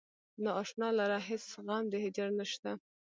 نا اشنا لره هیڅ غم د هجر نشته.